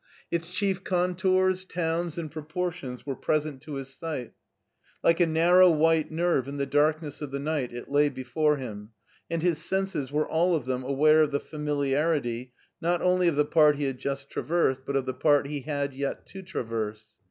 Its chief contours, towns, and proportions were present to ^his sight. Like a narrow white nerve in the darkness of the night it lay before him, and his senses were all of them aware of the familiarity not only of the part he had just traversed, but of the part he had yet to traverse.